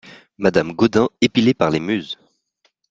Madame Gaudin Épilé par les muses !